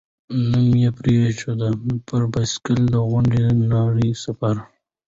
نوم یې پرېښود، «پر بایسکل د غونډې نړۍ سفر».